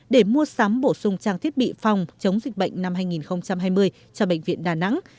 để mua sắm bổ sung trang thiết bị phòng chống dịch bệnh năm hai nghìn hai mươi cho bệnh viện đà nẵng